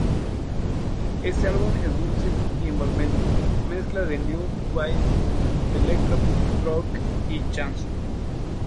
Este álbum es dulce y envolvente, mezcla de new-wave, electro-por rock y chanson.